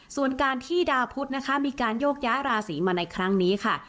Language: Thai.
ส่วนการที่ดาวพุทธนะคะมีการโยกย้ายราศีมาในครั้งนี้ค่ะ